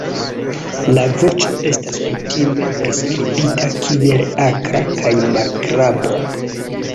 La voĉo estas kutime priskribita kiel akra kaj malagrabla.